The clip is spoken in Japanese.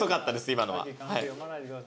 今のは。